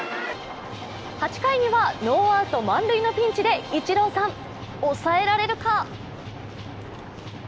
８回にはノーアウト満塁のピンチでイチローさん、抑えられるか？